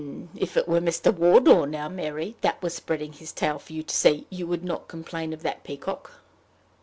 "If it were Mr. Wardour now, Mary, that was spreading his tail for you to see, you would not complain of that peacock!"